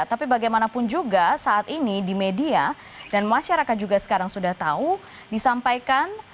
tapi bagaimanapun juga saat ini di media dan masyarakat juga sekarang sudah tahu disampaikan